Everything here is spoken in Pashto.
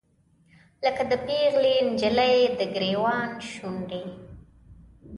لکه د پیغلې نجلۍ، دګریوان شونډې